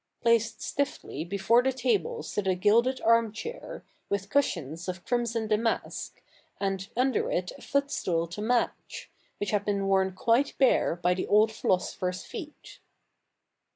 Placed stiffly before the table stood a gilded arm chair, with cushions of crimson damask, and under it a foot stool to match, which had been worn quite bare by the old philosopher's feet.